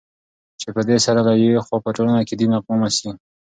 چې پدي سره له يوې خوا په ټولنه كې دين اقامه سي